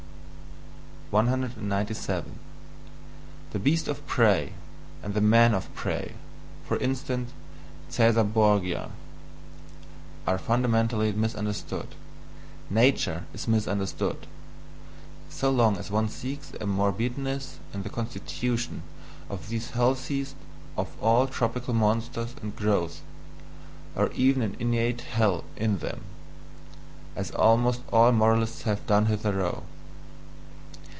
197. The beast of prey and the man of prey (for instance, Caesar Borgia) are fundamentally misunderstood, "nature" is misunderstood, so long as one seeks a "morbidness" in the constitution of these healthiest of all tropical monsters and growths, or even an innate "hell" in them as almost all moralists have done hitherto.